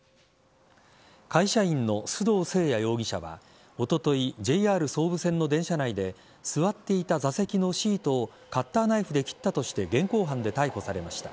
会社員の須藤誠也容疑者はおとといＪＲ総武線の電車内で座っていた座席のシートをカッターナイフで切ったとして現行犯で逮捕されました。